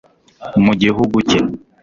mu gihugu cye